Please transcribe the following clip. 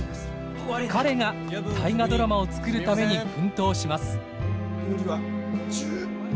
彼が「大河ドラマ」を作るために奮闘します。